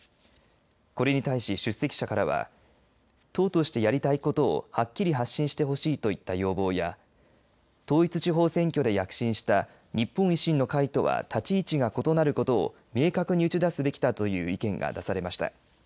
これに対し、出席者からは党としてやりたいことをはっきり発信してほしいといった要望や統一地方選挙で躍進した日本維新の会の党首は立ち位置が異なることを明確に打ち出すべきだという意見が出されました。